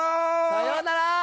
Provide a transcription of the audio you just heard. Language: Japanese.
さよなら！